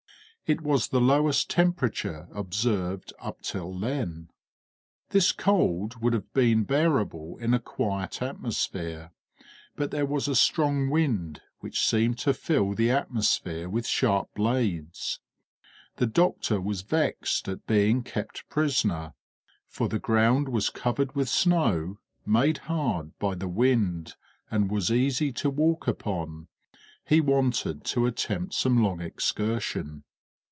It was the lowest temperature observed up till then. This cold would have been bearable in a quiet atmosphere, but there was a strong wind which seemed to fill the atmosphere with sharp blades. The doctor was vexed at being kept prisoner, for the ground was covered with snow, made hard by the wind, and was easy to walk upon; he wanted to attempt some long excursion.